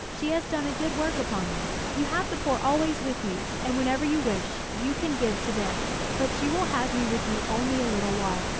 She has done a good work upon me. You have the poor always with you, and whenever you wish, you can give to them. But you will have me with you only a little while.